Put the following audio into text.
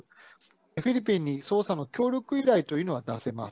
フィリピンに捜査の協力依頼というのは出せます。